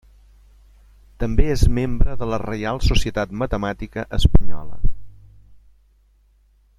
També és membre de la Reial Societat Matemàtica Espanyola.